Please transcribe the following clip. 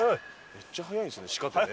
めっちゃ速いんですね鹿ってね。